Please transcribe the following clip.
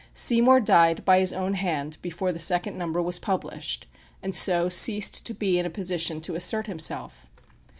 Seymour died by his own hand before the second number was published, and so ceased to be in a position to assert himself.